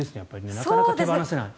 なかなか手放せない。